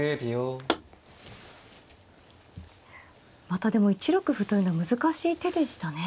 またでも１六歩というのは難しい手でしたね。